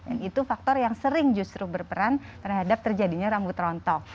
dan itu faktor yang sering justru berperan terhadap terjadinya rambut rontok